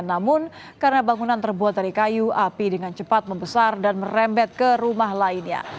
namun karena bangunan terbuat dari kayu api dengan cepat membesar dan merembet ke rumah lainnya